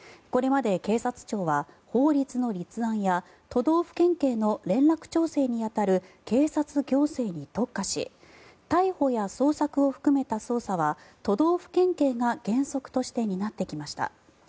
これまで警察庁は法律の立案や都道府県警の連絡調整に当たる警察行政に特化し逮捕や捜索を含めた捜査は都道府県警が原則として担ってきました。